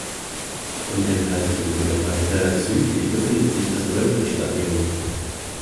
Rund einen halben Kilometer weiter südlich befindet sich das Wembley-Stadion.